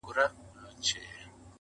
o خدایه معلوم یمه، منافقت نه کوم.